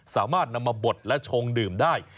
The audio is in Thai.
สามารถนำมาบดและชงดื่มได้